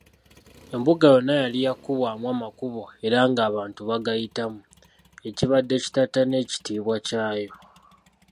Embuga yonna yali yakubwamu amakubo era nga abantu bagayitamu, ekibadde kittattana ekitiibwa ky'ayo.